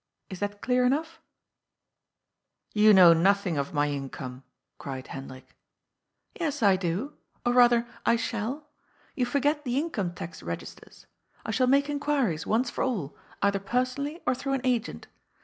Is that clear enough ?"You know nothing of my income," cried Hendrik. 250 GOD'S POOL. *^ Yes, I do. Or, rather, I shall. You forget the Income Tax Begisters. I shall make inqairies, once for all, either personally, or through an agent.